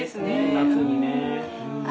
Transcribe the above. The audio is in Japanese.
夏にね。